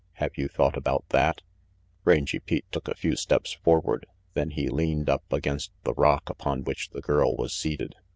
Have you thought about that?" RANGY PETE 303 Rangy Pete took a few steps forward, then he leaned up against the rock upon which the girl was seated.